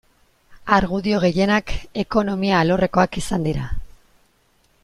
Argudio gehienak ekonomia alorrekoak izan dira.